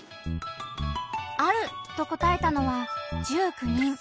「ある」と答えたのは１９人。